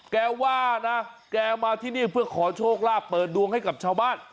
แกว่านะแกมาที่นี่เพื่อขอโชคลาภเปิดดวงให้กับชาวบ้าน